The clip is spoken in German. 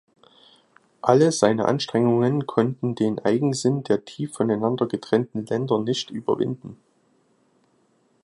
Alle seine Anstrengungen konnten den Eigensinn der tief voneinander getrennten Länder nicht überwinden.